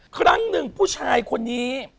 ครั้งหนึ่งผู้ชายคนนี้